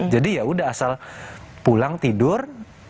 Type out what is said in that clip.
jadi ya udah asal pulang tidur